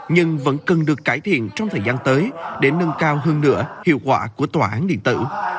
nhưng vẫn cần được cải thiện trong thời gian tới để nâng cao hơn nữa hiệu quả của tòa án điện tử